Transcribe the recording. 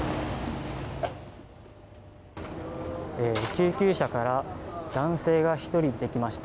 救急車から男性が１人出てきました。